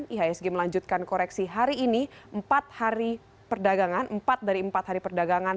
ihsg melanjutkan koreksi hari ini empat dari empat hari perdagangan